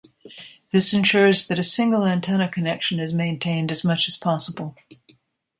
This ensures that a single antenna connection is maintained as much as possible.